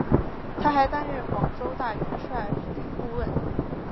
他还担任广州大元帅府顾问。